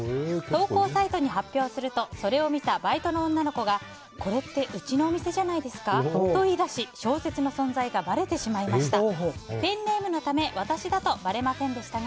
投稿サイトに発表するとそれを見たバイトの女の子がこれって、うちのお店じゃないですか？と言い出し小説の存在がばれてしまいました。